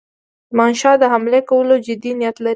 زمانشاه د حملې کولو جدي نیت لري.